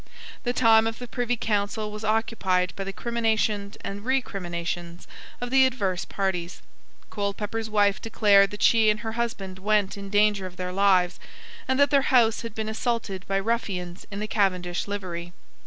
The time of the Privy Council was occupied by the criminations and recriminations of the adverse parties. Colepepper's wife declared that she and her husband went in danger of their lives, and that their house had been assaulted by ruffians in the Cavendish livery.